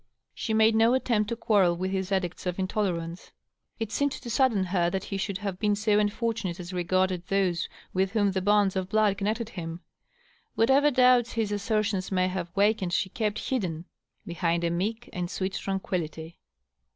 She made no attempt to quarrel with his edicts of intolerance. It seemed to sadden her that he should have been so unfortunate as regarded those with whom the bonds of blood connected him. Whatever doubts his assertions may have wakened she kept hidden behind a meek and sweet tranquillity.